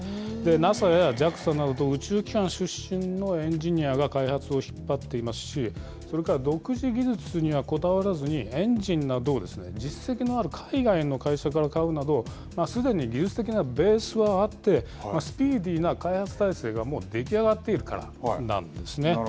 ＮＡＳＡやＪＡＸＡなど宇宙機関出身のエンジニアが開発を引っ張っていますし、それから独自技術にはこだわらずに、エンジンなどを実績のある海外の会社から買うなど、すでに技術的なベースはあって、スピーディーな開発体制がもう出来上がっているからなんですね。